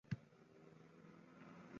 Ikkinchi qish yanada og`ir keldi